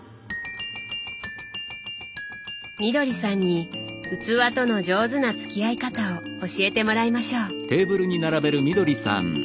みどりさんに器との上手な付き合い方を教えてもらいましょう。